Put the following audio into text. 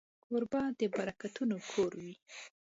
کوربه د برکتونو کور وي.